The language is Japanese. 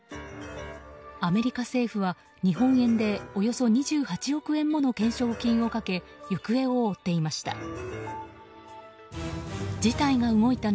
アメリカ政府は日本円でおよそ２８億円もの懸賞金をかけ行方を追っていました。